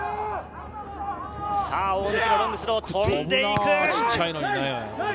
大貫のロングスロー、飛んでいく！